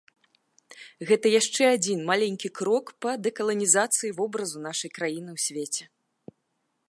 Гэта яшчэ адзін маленькі крок па дэкаланізацыі вобразу нашай краіны ў свеце.